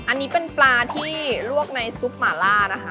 อันนี้เป็นปลาที่ลวกในซุปหมาล่านะคะ